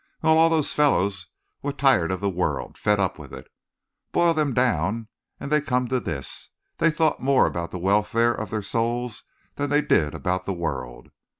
"Well, all those fellows were tired of the world fed up with it. Boil them down, and they come to this: they thought more about the welfare of their souls than they did about the world.